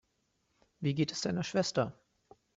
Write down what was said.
Wie geht es deiner Schwester?